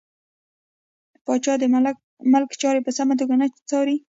پاچا د ملک چارې په سمه توګه نه څاري .